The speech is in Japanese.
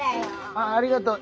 あっありがとう。